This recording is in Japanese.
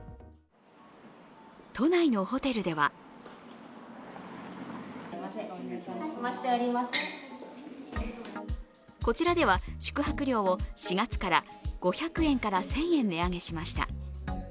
都内のホテルではこちらでは宿泊料を４月から５００円から１０００円値上げしました。